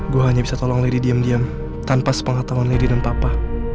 gue hanya bisa tolong lady diem diem tanpa sepengatauan lady dan papa